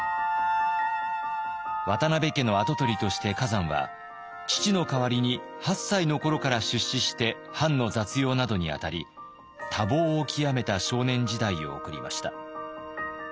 渡辺家の跡取りとして崋山は父の代わりに８歳の頃から出仕して藩の雑用などに当たり多忙を極めた少年時代を送りました。